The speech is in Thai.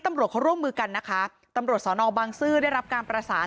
ตำรวจเขาร่วมมือกันนะคะตำรวจสอนอบางซื่อได้รับการประสาน